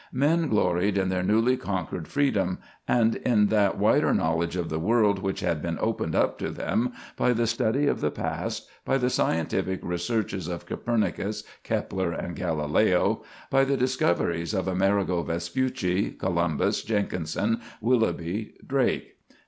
Men gloried in their newly conquered freedom, and in that wider knowledge of the world which had been opened up to them by the study of the past, by the scientific researches of Copernicus, Kepler, and Galileo, by the discoveries of Amerigo Vespucci, Columbus, Jenkinson, Willoughby, Drake.